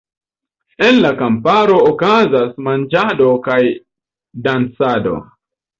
En la kamparo okazas manĝado kaj dancado.